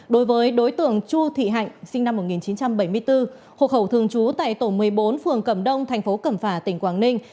đối với đối tượng chu thị hạnh sinh năm một nghìn chín trăm bảy mươi bốn hộ khẩu thường trú tại tổ một mươi bốn phường cẩm đông thành phố cẩm phả tỉnh quảng ninh